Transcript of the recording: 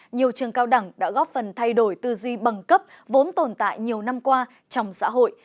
nhiều trường cao đẳng đã góp phần thay đổi tư duy bằng cấp vốn tồn tại nhiều năm qua trong xã hội